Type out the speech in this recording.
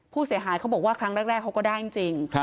ผู้เสียหายเขาบอกว่าครั้งแรกเขาก็ได้จริง